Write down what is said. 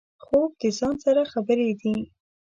خوب د ځان سره خبرې دي